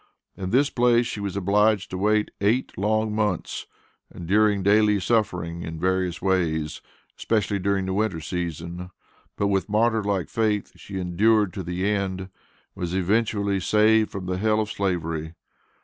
In this place she was obliged to wait eight long months, enduring daily suffering in various ways, especially during the winter season. But, with martyr like faith, she endured to the end, and was eventually saved from the hell of Slavery.